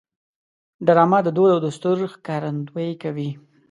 ډرامه د دود او دستور ښکارندویي کوي